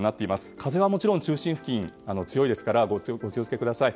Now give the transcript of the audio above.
風はもちろん中心付近、強いのでお気を付けください。